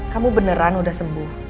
kamu beneran udah sembuh